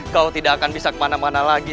kau tidak akan bisa kemana mana lagi